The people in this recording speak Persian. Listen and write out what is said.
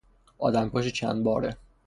آدمکش چندباره